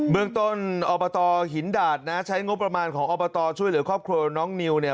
เมืองต้นอบตหินดาดนะใช้งบประมาณของอบตช่วยเหลือครอบครัวน้องนิวเนี่ย